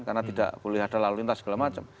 karena tidak boleh ada lalu lintas segala macam